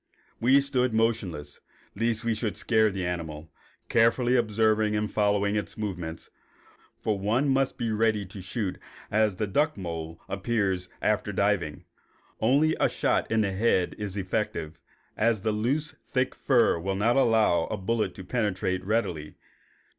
We stood motionless, lest we should scare the animal, carefully observing and following its movements, for one must be ready to shoot just as the duck mole reappears after diving. Only a shot in the head is effective, as the loose, thick fur will not allow a bullet to penetrate it readily.